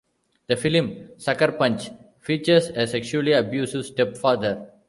The film, "Sucker Punch" features a sexually abusive stepfather.